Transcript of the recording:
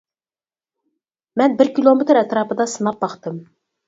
مەن بىر كىلومېتىر ئەتراپىدا سىناپ باقتىم.